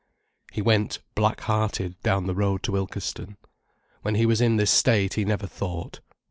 He went black hearted down the road to Ilkeston. When he was in this state he never thought.